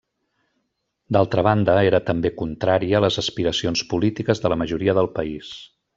D'altra banda, era també contrari a les aspiracions polítiques de la majoria del país.